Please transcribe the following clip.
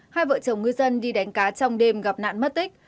hai vợ chồng ngư dân đi đánh cá trong đêm gặp nạn mất tích